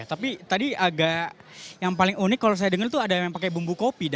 tapi tadi agak yang paling unik kalau saya dengar itu ada yang pakai bumbu kopi